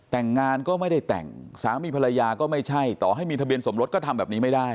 แต่งงานก็ไม่ได้แต่งสามีภรรยาก็ไม่ใช่ต่อให้มีทะเบียนสมรสก็ทำแบบนี้ไม่ได้